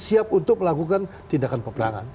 siap untuk melakukan tindakan peperangan